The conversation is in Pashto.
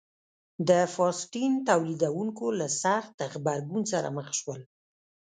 د فاسټین تولیدوونکو له سخت غبرګون سره مخ شول.